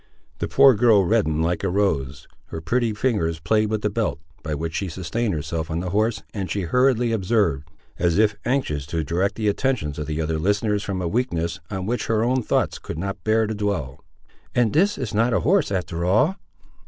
The poor girl reddened like a rose, her pretty fingers played with the belt, by which she sustained herself on the horse, and she hurriedly observed, as if anxious to direct the attentions of the other listeners from a weakness, on which her own thoughts could not bear to dwell— "And this is not a horse, after all?"